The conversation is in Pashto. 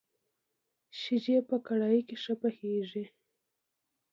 شيدې په کړايي کي ښه پخېږي.